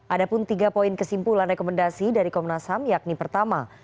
ada pun tiga poin kesimpulan rekomendasi dari komnas ham yakni pertama